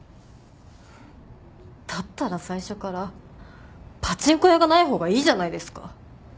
だったら最初からパチンコ屋がない方がいいじゃないですか。